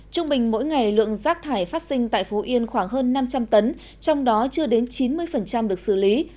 trung bình mỗi ngày lượng rác thải phát sinh tại phú yên khoảng hơn năm trăm linh tấn trong đó chưa đến chín mươi được xử lý